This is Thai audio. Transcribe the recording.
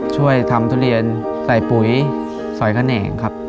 ช่วยทำทุเรียนใส่ปุ๋ยสอยแขนงครับ